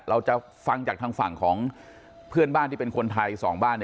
เราจะฟังจากทางฝั่งของเพื่อนบ้านที่เป็นคนไทยสองบ้าน